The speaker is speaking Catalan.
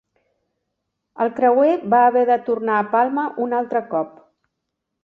El creuer va haver de tornar a Palma un altre cop.